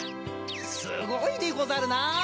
すごいでござるな！